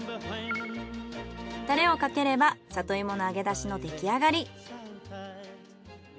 タレをかければ里芋の揚げだしのできあがり。